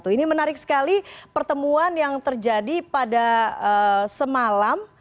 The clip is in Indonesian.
ini menarik sekali pertemuan yang terjadi pada semalam